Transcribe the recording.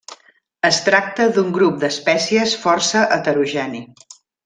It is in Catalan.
Es tracta d'un grup d'espècies força heterogeni.